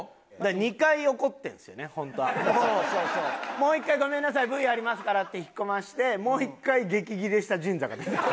もう一回ごめんなさいＶありますからって引っ込ませてもう一回激ギレしたジンザが出てきて。